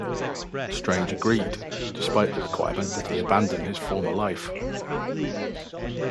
Strange agreed, despite the requirement that he abandon his former life.